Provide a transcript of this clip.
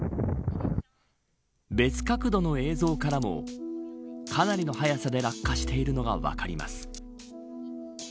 別角度の映像からもかなりの速さで落下しているのが分かります。